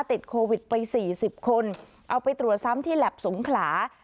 ติดโควิดไป๔๐คนเอาไปตรวจซ้ำที่แล็บสงขลา